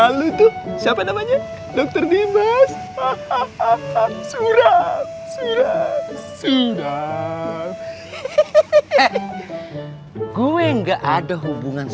persiapan siapa namanya dokter dimas hahaha surat surat sudah hehehe gue nggak ada hubungan